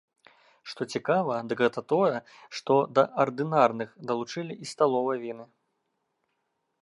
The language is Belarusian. Што цікава, дык гэта тое, што да ардынарных далучылі і сталовыя віны.